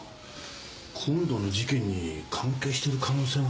今度の事件に関係してる可能性もありますね。